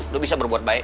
lo bisa berbuat baik